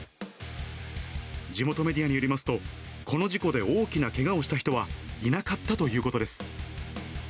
地元メディアによりますと、この事故で大きなけがをした人はいなかったということです。